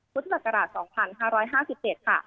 พุทธศักราช๒๕๕๗ค่ะ